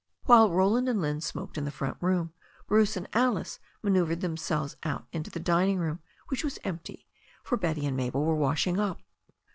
While Roland and Lynne smoked in the front room Bruce and Alice manoeuvred themselves out into the dining room, which was empty, for Betty and Mabel were washing up.